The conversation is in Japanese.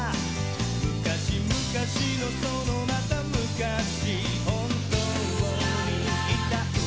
「むかしむかしのそのまたむかし」「本当にいたんだぞ」